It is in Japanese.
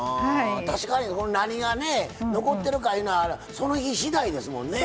あ確かに何が残ってるかいうのはその日しだいですもんね。